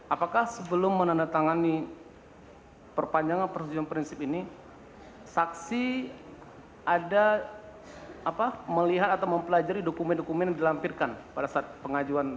apakah sebelum menandatangani perpanjangan persetujuan prinsip ini saksi ada melihat atau mempelajari dokumen dokumen yang dilampirkan pada saat pengajuan